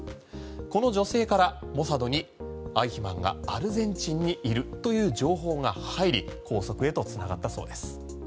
この女性からモサドにアイヒマンがアルゼンチンにいるという情報が入り拘束へと繋がったそうです。